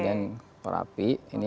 kemudian api ini